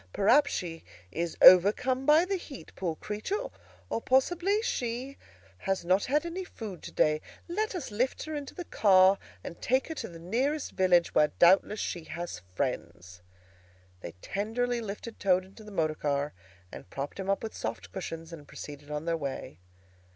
Perhaps she is overcome by the heat, poor creature; or possibly she has not had any food to day. Let us lift her into the car and take her to the nearest village, where doubtless she has friends." They tenderly lifted Toad into the motor car and propped him up with soft cushions, and proceeded on their way.